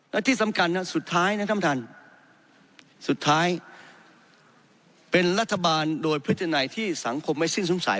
และที่สำคัญสุดท้ายนะท่านท่านสุดท้ายเป็นรัฐบาลโดยพฤตินัยที่สังคมไม่สิ้นสงสัย